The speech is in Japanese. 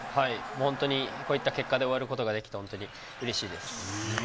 本当に、こういった結果で終わることができて、本当にうれしいです。